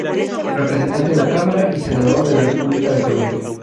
Representante a la Cámara y Senador de la República de Colombia.